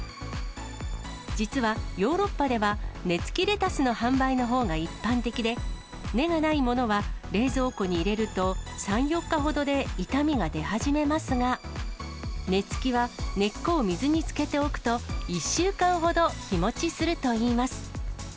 実は、ヨーロッパでは根付きレタスの販売のほうが一般的で、根がないものは、冷蔵庫に入れると３、４日ほどで傷みが出始めますが、根付きは根っこを水につけておくと、１週間ほど日持ちするといいます。